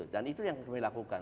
dan itu yang kami lakukan